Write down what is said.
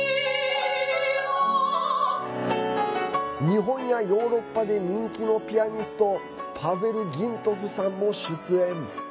日本やヨーロッパで人気のピアニストパヴェル・ギントフさんも出演。